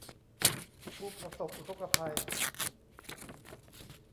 ผู้ประสบอุทกภัย